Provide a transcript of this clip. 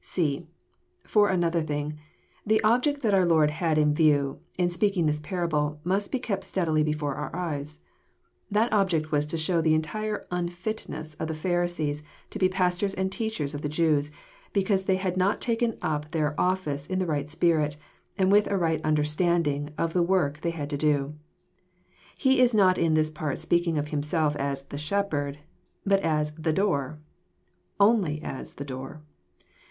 (c) For another thing, the object that our Lord had in view, in speaking this parable, must be kept steadily before our eyes. That object was to show the entire unfitness of the Pharisees to be pastors and teachers of the Jews, because they had not ta ken up their office in the right spirit, anxl with a right under standing of the work they had to do. He is not in this part speaking of Himself as "the Shepherd," but as "the Door:" only as the Door.